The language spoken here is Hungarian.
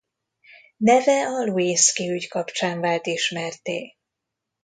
Neve a Lewinsky-ügy kapcsán vált ismertté.